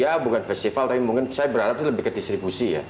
ya bukan festival tapi mungkin saya berharap ini lebih ke distribusi ya